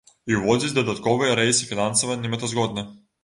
І ўводзіць дадатковыя рэйсы фінансава немэтазгодна.